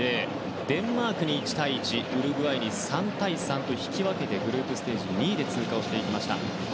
デンマークに１対１ウルグアイに３対３と引き分けてグループステージ２位で通過しました。